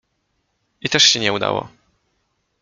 I też się nie udało.